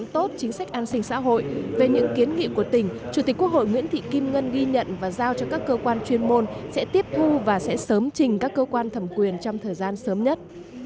tốt chính sách an sinh xã hội về những kiến nghị của tỉnh chủ tịch quốc hội nguyễn thị kim ngân ghi nhận và giao cho các cơ quan chuyên môn sẽ tiếp thu và sẽ sớm trình các cơ quan thẩm quyền trong thời gian sớm nhất